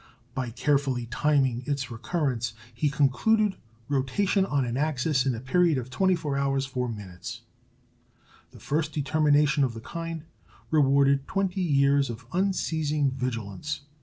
By carefully timing its recurrence, he concluded rotation on an axis in a period of 24 hours 4 minutes. The first determination of the kind rewarded twenty years of unceasing vigilance.